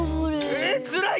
えっつらい！